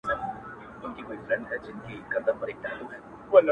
په خیرن سر او مرداره څېره اکسیجن تنفس کړئ